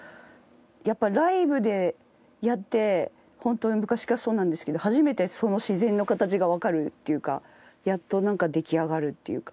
やっぱライヴでやって本当に昔からそうなんですけど初めて自然の形がわかるっていうかやっとなんか出来上がるっていうか。